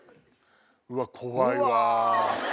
うわ怖いわ。